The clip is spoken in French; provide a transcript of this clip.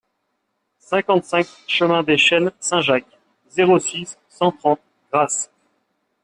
cinquante-cinq chemin des Chênes Saint-Jacques, zéro six, cent trente, Grasse